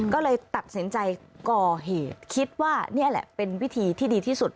ก็เลยตัดสินใจก่อเหตุคิดว่านี่แหละเป็นวิธีที่ดีที่สุด